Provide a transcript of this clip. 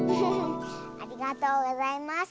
ありがとうございます。